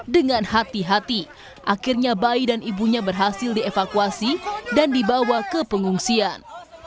dengan hati hati akhirnya bayi dan ibunya berhasil dievakuasi dan dibawa ke pengungsian